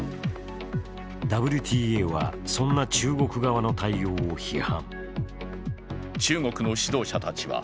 ＷＴＡはそんな中国側の対応を批判。